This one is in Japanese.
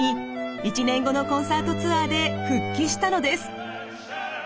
１年後のコンサートツアーで復帰したのです。